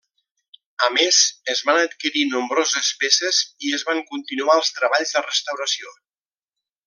A més, es van adquirir nombroses peces i es van continuar els treballs de restauració.